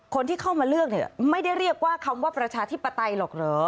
คนที่เข้ามาเลือกเนี่ยไม่ได้เรียกว่าคำว่าประชาธิปไตยหรอกเหรอ